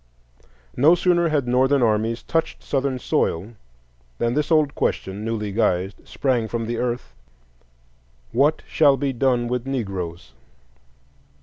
No sooner had Northern armies touched Southern soil than this old question, newly guised, sprang from the earth,—What shall be done with Negroes?